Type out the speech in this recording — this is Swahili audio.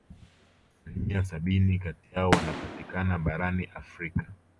Asilimia sabini kati yao wanapatikana barani Afrika